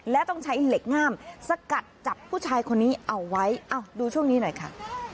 และต้องใช้เหล็กงามสกัดจับผู้ชายคนนี้เอาไว้เอ้าดูช่วงนี้หน่อยค่ะ